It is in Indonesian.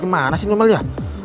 kemana sih nonmelnya